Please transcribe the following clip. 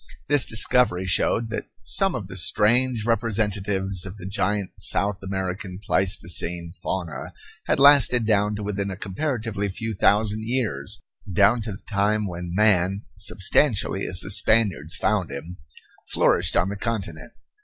This discovery showed that some of the strange representatives of the giant South American Pleistocene fauna had lasted down to within a comparatively few thousand years, down to the time when man, substantially as the Spaniards found him, flourished on the continent.